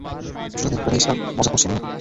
দুজনের প্রেমেই স্যার, - মজা করছো মিয়া?